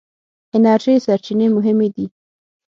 د انرژۍ سرچینې مهمې دي.